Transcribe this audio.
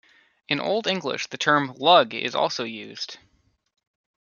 In old English, the term "lug" is also used.